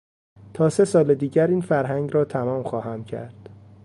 تا سه سال دیگر این فرهنگ را تمام خواهم کرد.